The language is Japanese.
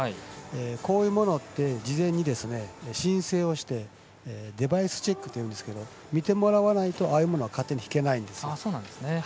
こういうものって事前に申請をしてデバイスチェックというんですけど見てもらわないとああいうものは勝手に敷けないんです。